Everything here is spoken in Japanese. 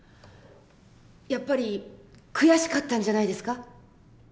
やっぱり悔しかったんじゃないですか？